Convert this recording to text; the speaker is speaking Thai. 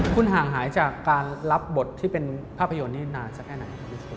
คุณห่างหายจากการรับบทที่เป็นภาพยนตร์นี้นานสักแค่ไหน